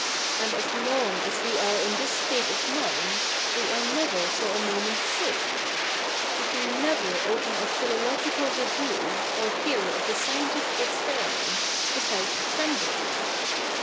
And as long as we are ifi this state of mind, we are never for a motfiefit safe. We can never open a philological review, or hear of a scientific experiffient, without tremblifig.